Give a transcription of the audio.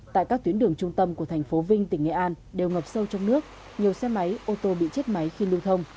tại các tuyến đường trung tâm của thành phố vinh tỉnh nghệ an đều ngập sâu trong nước nhiều xe máy ô tô bị chết máy khi lưu thông